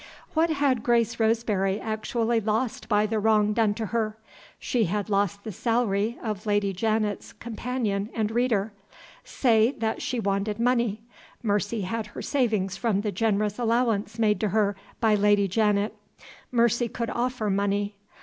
What had Grace Roseberry actually lost by the wrong done to her? She had lost the salary of Lady Janet's "companion and reader." Say that she wanted money, Mercy had her savings from the generous allowance made to her by Lady Janet; Mercy could offer money.